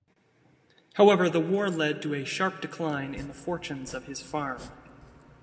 However, the war led to a sharp decline in the fortunes of his farm.